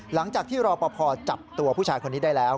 หลังจากที่รอปภจับตัวผู้ชายคนนี้ได้แล้ว